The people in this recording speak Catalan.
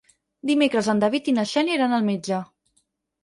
Dimecres en David i na Xènia iran al metge.